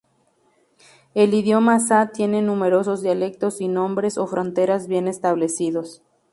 El idioma Sa tiene numerosos dialectos sin nombres o fronteras bien establecidos.